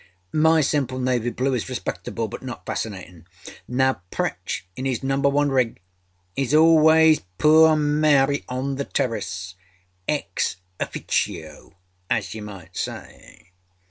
âMy simple navy blue is respectable, but not fascinatinâ. Now Pritch in âis Number One rig is always âpurr Mary, on the terraceââ_ex officio_ as you might say.